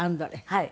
はい。